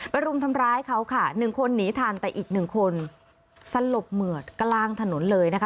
รุมทำร้ายเขาค่ะหนึ่งคนหนีทันแต่อีกหนึ่งคนสลบเหมือดกลางถนนเลยนะคะ